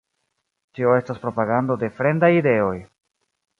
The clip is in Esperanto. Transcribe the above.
Tio estas propagando de fremdaj ideoj!